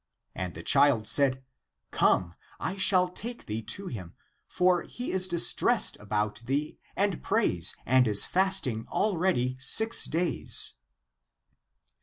And the child said, " Come, I shall take thee to him ; for he is distressed about thee and prays and is fasting already six days."